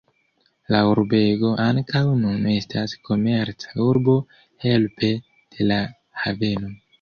La urbego ankaŭ nun estas komerca urbo helpe de la haveno.